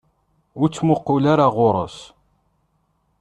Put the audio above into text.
Ur ttmuqul ara ɣur-s!